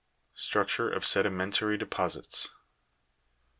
33. Structure of sedimentary deposits.